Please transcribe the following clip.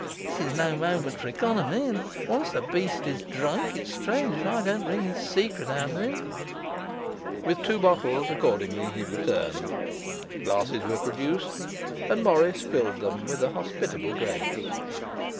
this is no moment for economy; and once the beast is drunk, it's strange if I don't wring his secret out of him.' With two bottles, accordingly, he returned. Glasses were produced, and Morris filled them with hospitable grace.